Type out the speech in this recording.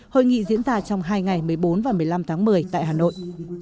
hội nghị diễn ra trong hai ngày một mươi bốn và một mươi năm tháng một mươi tại hà nội